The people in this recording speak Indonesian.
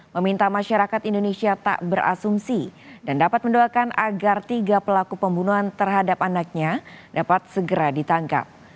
meminta masyarakat indonesia tak berasumsi dan dapat mendoakan agar tiga pelaku pembunuhan terhadap anaknya dapat segera ditangkap